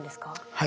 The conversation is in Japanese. はい。